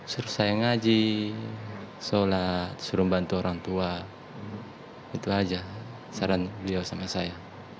suruh saya ngaji sholat suruh bantu orang tua itu aja saran beliau sama saya